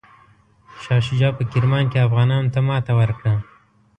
شاه شجاع په کرمان کې افغانانو ته ماته ورکړه.